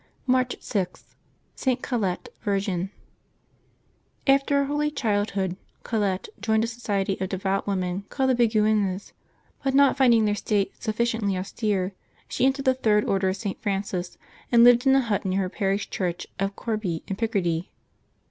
98 LIVES OF THE SAINTS [Mabch 6 March 6.— ST. COLETTE, Virgin. HFTER a holy childhood, Colette joined a society of devout women called the Beguines; but not finding their state sufficiently austere, she entered the Third Order of St. Francis, and lived in a hut near her parish church of Corbie in Picardy.